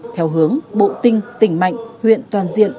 theo hướng bộ tinh tỉnh mạnh huyện toàn diện